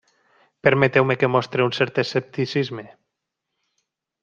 Permeteu-me que mostre un cert escepticisme.